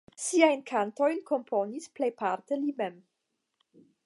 Siajn kantojn komponis plejparte li mem.